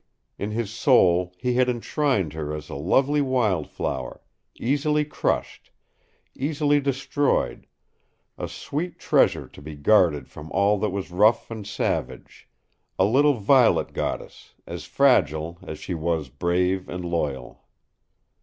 In his soul he had enshrined her as a lovely wildflower, easily crushed, easily destroyed, a sweet treasure to be guarded from all that was rough and savage, a little violet goddess as fragile as she was brave and loyal.